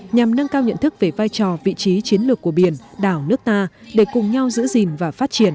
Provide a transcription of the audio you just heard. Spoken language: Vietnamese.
nhằm nâng cao nhận thức về vai trò vị trí chiến lược của biển đảo nước ta để cùng nhau giữ gìn và phát triển